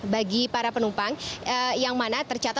bagi para penumpang yang keluar dari bandara soekarno hatta